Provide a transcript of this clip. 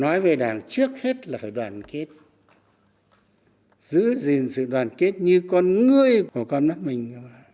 nói về đảng trước hết là phải đoàn kết giữ gìn sự đoàn kết như con ngươi của con đất mình